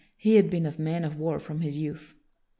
He had been a man of war from his youth.